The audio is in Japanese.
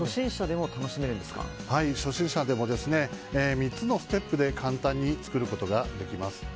初心者でも３つのステップで簡単に作ることができます。